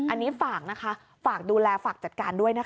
อันนี้ฝากนะคะฝากดูแลฝากจัดการด้วยนะคะ